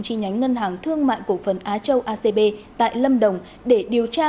chi nhánh ngân hàng thương mại cổ phần á châu acb tại lâm đồng để điều tra